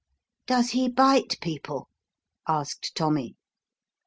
"Does he bite people?" asked Tommy.